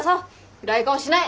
暗い顔しない！